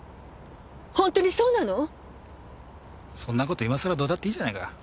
そんなこと今さらどうだっていいじゃないか。